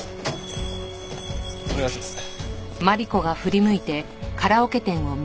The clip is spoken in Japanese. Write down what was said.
お願いします。